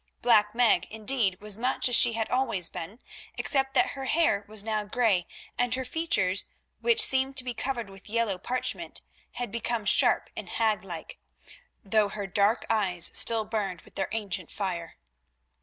Black Meg, indeed, was much as she had always been, except that her hair was now grey and her features, which seemed to be covered with yellow parchment, had become sharp and haglike, though her dark eyes still burned with their ancient fire.